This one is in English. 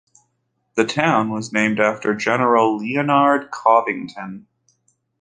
The town was named after General Leonard Covington.